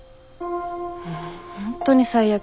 もう本当に最悪。